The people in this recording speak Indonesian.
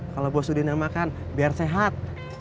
kalau bos udin yang makan biar sehat